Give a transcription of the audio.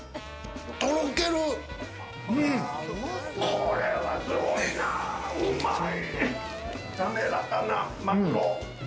これはすごいな、うまい！